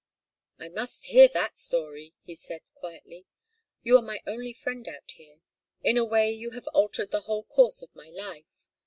"I must hear that story," he said, quietly. "You are my only friend out here. In a way you have altered the whole course of my life.